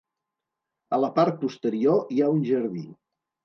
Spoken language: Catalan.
A la part posterior hi ha un jardí.